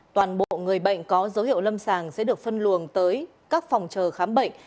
toàn bộ người bệnh có dấu hiệu lâm sàng sẽ được phân luồng tới các phòng chờ khám bệnh